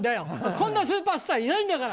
こんなスーパースターいないんだから！